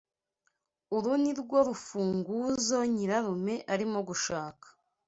Uru nirwo rufunguzo nyirarume arimo gushaka?